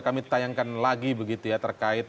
kami tayangkan lagi begitu ya terkait